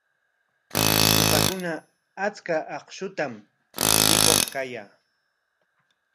Ñuqakuna achka akshutam mikuq kayaa.